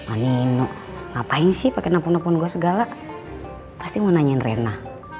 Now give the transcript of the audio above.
ani no ngapain sih pakai nelfon nelfon gua segala pasti mau nanyain rena